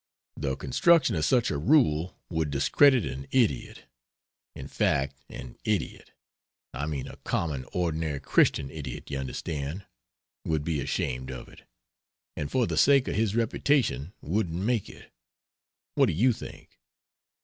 The construction of such a rule would discredit an idiot; in fact an idiot I mean a common ordinary Christian idiot, you understand would be ashamed of it, and for the sake of his reputation wouldn't make it. What do you think?"